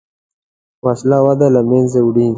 وسله وده له منځه وړي